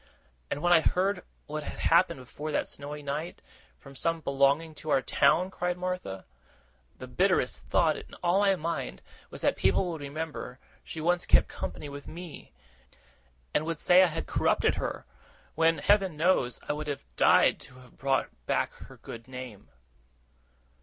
'And when I heard what had happened before that snowy night, from some belonging to our town,' cried Martha, 'the bitterest thought in all my mind was, that the people would remember she once kept company with me, and would say I had corrupted her! When, Heaven knows, I would have died to have brought back her good name!